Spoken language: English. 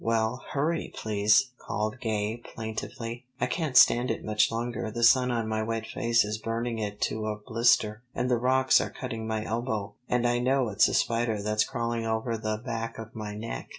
"Well, hurry, please!" called Gay plaintively. "I can't stand it much longer. The sun on my wet face is burning it to a blister, and the rocks are cutting my elbow, and I know it's a spider that's crawling over the back of my neck."